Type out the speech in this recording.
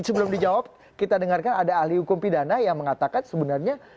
sebelum dijawab kita dengarkan ada ahli hukum pidana yang mengatakan sebenarnya